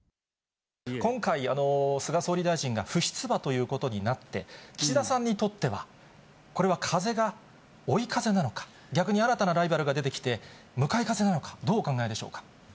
今回、菅総理大臣が不出馬ということになって、岸田さんにとっては、これは風が追い風なのか、逆に新たなライバルが出てきて向かい風